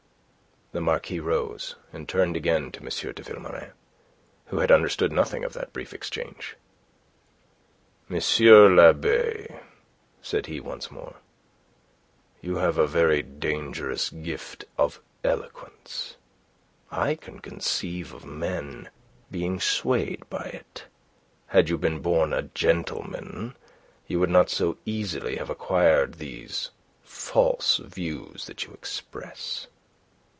The Marquis rose, and turned again to M. de Vilmorin, who had understood nothing of that brief exchange. "M. l'abbe," said he once more, "you have a very dangerous gift of eloquence. I can conceive of men being swayed by it. Had you been born a gentleman, you would not so easily have acquired these false views that you express."